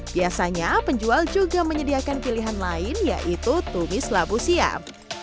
biasanya penjual juga menyediakan pilihan lain yaitu tumis labu siap